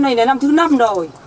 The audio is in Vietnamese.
năm thứ năm rồi